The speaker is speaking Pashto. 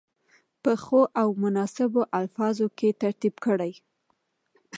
په ښو او مناسبو الفاظو کې ترتیب کړي.